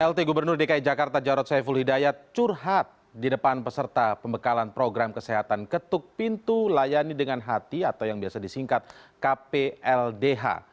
lt gubernur dki jakarta jarod saiful hidayat curhat di depan peserta pembekalan program kesehatan ketuk pintu layani dengan hati atau yang biasa disingkat kpldh